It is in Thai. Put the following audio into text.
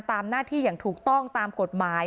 ตามหน้าที่อย่างถูกต้องตามกฎหมาย